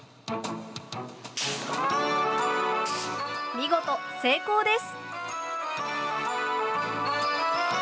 見事成功です！